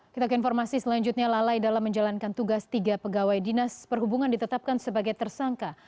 kita ke informasi selanjutnya lalai dalam menjalankan tugas tiga pegawai dinas perhubungan ditetapkan sebagai tersangka